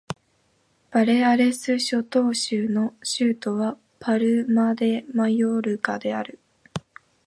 バレアレス諸島州の州都はパルマ・デ・マヨルカである